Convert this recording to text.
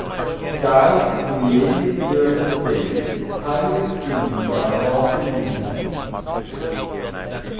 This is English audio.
He died in the eightieth year of his age, highly esteemed by all who knew him.